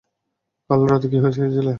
কাল রাতে কি খেয়েছিলে?